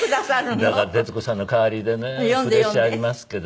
だから徹子さんの代わりでねプレッシャーありますけど。